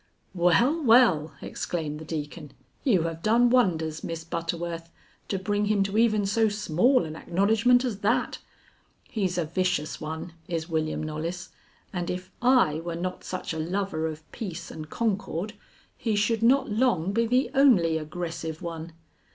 "Well, well!" exclaimed the Deacon, "you have done wonders, Miss Butterworth, to bring him to even so small an acknowledgment as that! He's a vicious one, is William Knollys, and if I were not such a lover of peace and concord, he should not long be the only aggressive one.